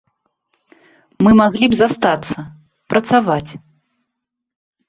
Мы маглі б застацца, працаваць.